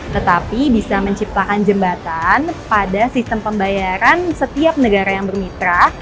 tetapi bisa menciptakan jembatan pada sistem pembayaran setiap negara yang bermitra